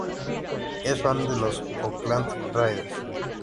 Es fan de los Oakland Raiders.